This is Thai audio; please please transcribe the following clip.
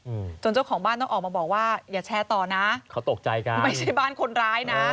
อืมจนเจ้าของบ้านต้องออกมาบอกว่าอย่าแชร์ต่อนะเขาตกใจกันไม่ใช่บ้านคนร้ายนะ